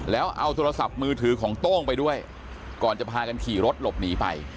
แล้วเอาโทรศัพท์มือถือของโต้งไปด้วยก่อนจะพากันขี่รถหลบหนีไป